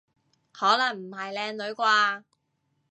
可能唔係靚女啩？